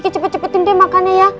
cepet cepetin deh makannya ya